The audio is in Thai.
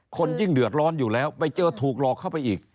คนยิ่งเดือดร้อนอยู่แล้วไปเจอถูกหลอกเข้าไปอีก